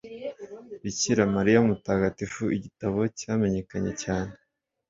bikira mariya mutagatifu igitabo cyamenyekanye cyane